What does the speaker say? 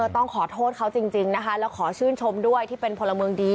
ต้องขอโทษเขาจริงนะคะแล้วขอชื่นชมด้วยที่เป็นพลเมืองดี